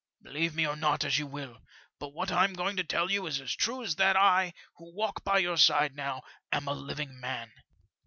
" Believe me or not as you will, but what I'm going to tell you is as true as that I, who walk by your side now, am a living man.